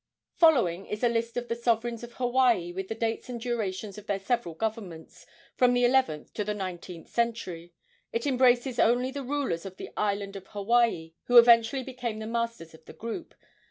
Following is a list of the sovereigns of Hawaii, with the dates and durations of their several governments, from the eleventh to the nineteenth century. It embraces only the rulers of the island of Hawaii, who eventually became the masters of the group.